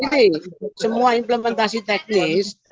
jadi ini semua implementasi teknis